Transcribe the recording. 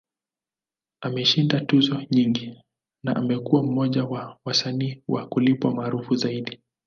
Ameshinda tuzo nyingi, na amekuwa mmoja wa wasanii wa kulipwa maarufu zaidi.